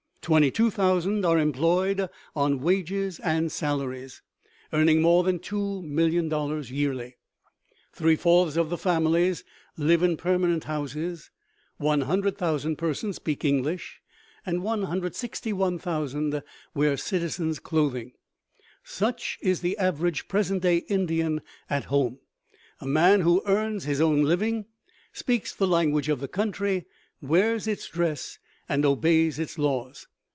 Twenty two thousand are employed on wages and salaries, earning more than two million dollars yearly. Three fourths of the families live in permanent houses; 100,000 persons speak English, and 161,000 wear citizen's clothing. Such is the average present day Indian at home a man who earns his own living, speaks the language of the country, wears its dress, and obeys its laws.